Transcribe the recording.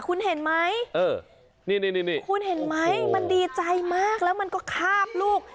คุณเห็นไหมนี่คุณเห็นไหมมันดีใจมากแล้วมันก็คาบลูก